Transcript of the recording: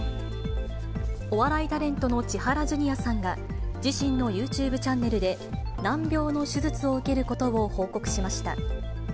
お笑いタレントの千原ジュニアさんが、自身のユーチューブチャンネルで難病の手術を受けることを報告しました。